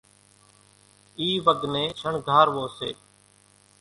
اِي وڳ نين شڻگھاروو سي،